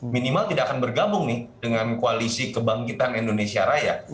minimal tidak akan bergabung nih dengan koalisi kebangkitan indonesia raya